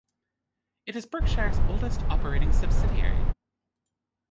It is Berkshire's oldest operating subsidiary.